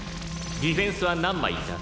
ディフェンスは何枚いた？